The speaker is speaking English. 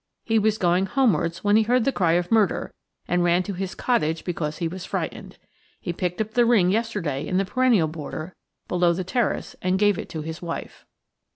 He was going homewards when he heard the cry of "Murder," and ran to his cottage because he was frightened. He picked up the ring yesterday in the perennial border below the terrace and gave it to his wife.